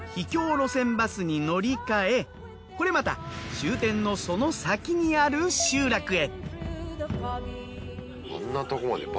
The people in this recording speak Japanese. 路線バスに乗り換えこれまた終点のその先にある集落へ。